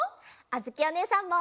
あづきおねえさんも！